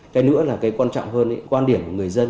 cái nữa là cái quan trọng hơn quan điểm của người dân